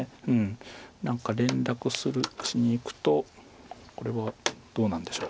何か連絡しにいくとこれはどうなんでしょう。